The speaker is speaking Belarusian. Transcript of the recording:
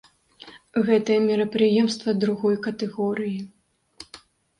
Гэтае мерапрыемства другой катэгорыі.